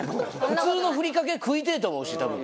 普通のふりかけ食いてぇと思うしたぶん。